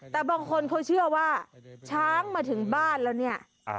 แต่บางคนเขาเชื่อว่าช้างมาถึงบ้านแล้วเนี่ย